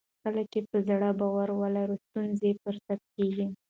کله چې په زړه باور ولرو ستونزې فرصت کیږي.